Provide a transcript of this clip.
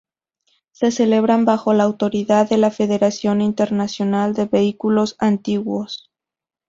Se celebran bajo autoridad de la Federación Internacional de Vehículos Antiguos.